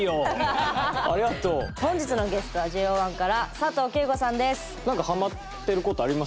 本日のゲストはＪＯ１から佐藤景瑚さんです。